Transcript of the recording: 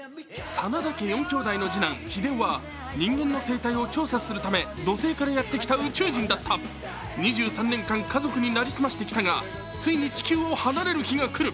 真田家４兄弟の次男・日出男は人間の生態を調査するため土星からやってきた宇宙人だった２３年間家族に成り済ましてきたがついに地球を離れる日が来る。